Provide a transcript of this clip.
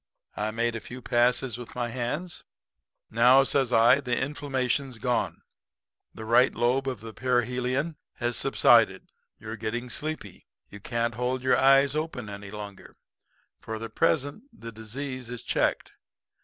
"I made a few passes with my hands. "'Now,' says I, 'the inflammation's gone. The right lobe of the perihelion has subsided. You're getting sleepy. You can't hold your eyes open any longer. For the present the disease is checked.